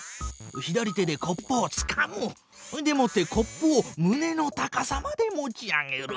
左手でコップをつかむ！でもってコップをむねの高さまで持ち上げる！